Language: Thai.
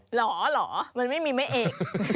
เหรอหรอมันไม่มีไม่เอก